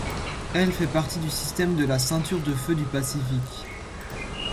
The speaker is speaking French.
Elle fait partie du système de la ceinture de feu du Pacifique.